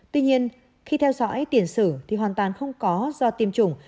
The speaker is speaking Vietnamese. tuy nhiên khi theo dõi tiền sử thì hoàn toàn không có do tiêm chủng